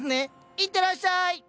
いってらっしゃい！